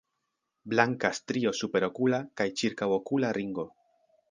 Blanka strio superokula kaj ĉirkaŭokula ringo.